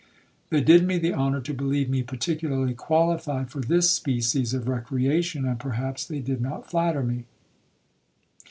They did me the honour to believe me particularly qualified for this species of recreation, and perhaps they did not flatter me.